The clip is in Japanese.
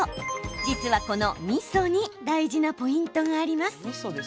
実は、このみそに大事なポイントがあります。